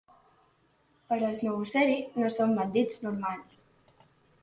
Però els Nobuseri no són bandits normals.